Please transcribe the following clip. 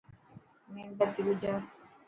ميڻ بتي ٻجها.